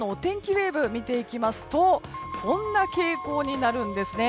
ウェーブを見ていきますとこんな傾向になるんです。